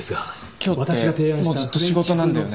今日ってもうずっと仕事なんだよね。